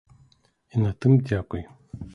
І на тым дзякуй.